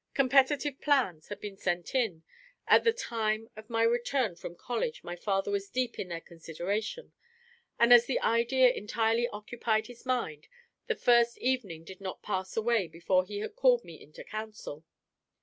Competitive plans had been sent in; at the time of my return from college my father was deep in their consideration; and as the idea entirely occupied his mind, the first evening did not pass away before he had called me into council.